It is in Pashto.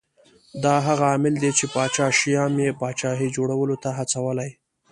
دا هغه عامل دی چې پاچا شیام یې پاچاهۍ جوړولو ته هڅولی